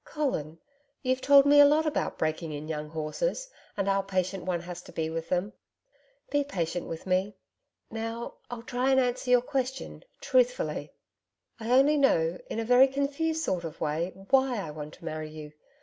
'Colin, you've told me a lot about breaking in young horses, and how patient one has to be with them. Be patient with me.... Now, I'll try and answer your question truthfully. I only know in a very confused sort of way WHY I want to marry you....